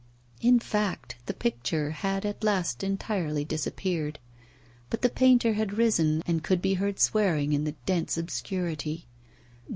In fact, the picture had at last entirely disappeared. But the painter had risen and could be heard swearing in the dense obscurity.